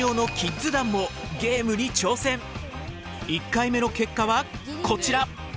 １回目の結果はこちら。